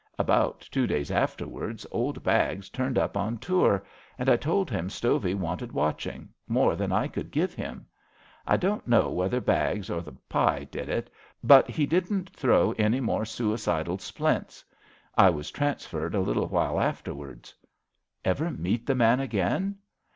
About two days afterwards old Baggs turned up on tour, and I told him Stovey wanted watching — more than I could give him. I don't know whether Baggs or the pi did it, but he didn't throw any more suicidal splints. I was trans ferred a little while afterwards." *^ Ever meet the man again?